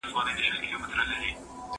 زه پرون بازار ته ځم وم؟!